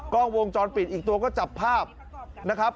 กล้องวงจรปิดอีกตัวก็จับภาพนะครับ